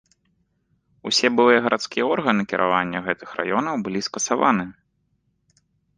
Усе былыя гарадскія органы кіравання гэтых раёнаў былі скасаваны.